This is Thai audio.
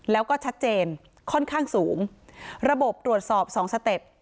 แล้วก็ชัดเจนค่อนข้างสูงระบบตรวจสอบสองสเต็ป